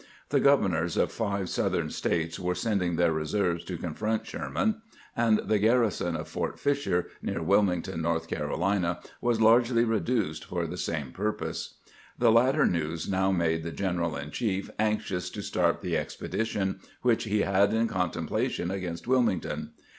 The governors of five Southern States were sending their reserves to confront Sherman, and the garrison of Fort Fisher, near Wilmington, North Caro lina, was largely reduced for the same purpose. The latter news now made the general in chief anxious to start the expedition which he had in contemplation against "Wilmington.